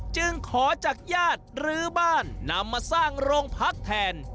จึงขอจากญาติหรือบ้านนำมาสร้างโรงพักแทน